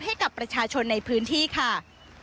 ให้กับประชาชนในพื้นที่ค่ะ